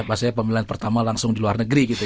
maksudnya pemilihan pertama langsung di luar negeri gitu ya